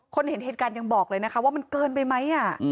เห็นเหตุการณ์ยังบอกเลยนะคะว่ามันเกินไปไหม